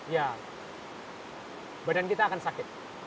ya badan kita akan sakit